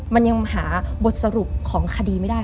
มันยังหาบทสรุปของคดีไม่ได้